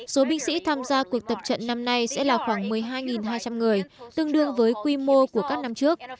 số binh sĩ tham gia cuộc tập trận năm nay sẽ là khoảng một mươi hai hai trăm linh người tương đương với quy mô của các năm trước